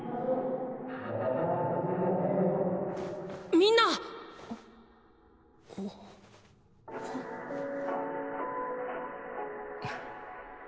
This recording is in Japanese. みんな！ぁっ！